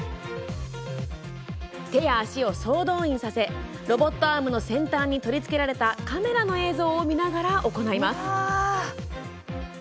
手や足を総動員させロボットアームの先端に取り付けられたカメラの映像を見ながら行います。